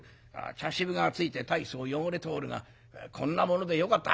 茶渋がついて大層汚れておるがこんなものでよかったら」。